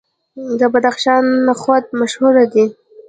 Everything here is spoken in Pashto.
د بدخشان نخود مشهور دي.